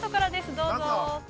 どうぞ。